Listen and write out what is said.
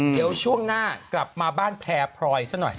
เดี๋ยวช่วงหน้ากลับมาบ้านแพร่พลอยซะหน่อย